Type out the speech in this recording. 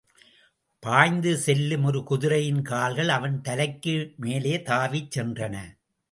பாய்ந்து செல்லும் ஒரு குதிரையின் கால்கள் அவன் தலைக்கு மேலே தாவிச்சென்றன.